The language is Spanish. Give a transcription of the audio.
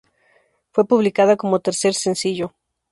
Fue publicada como tercer sencillo.